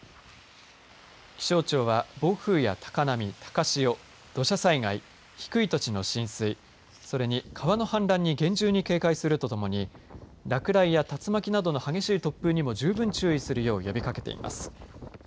気象庁は、暴風や高波高潮、土砂災害低い土地の浸水それに川の氾濫に厳重に警戒するとともに落雷や竜巻などの激しい突風にも十分注意するよう呼びかけています。